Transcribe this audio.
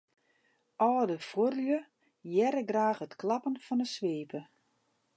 Alde fuorlju hearre graach it klappen fan 'e swipe.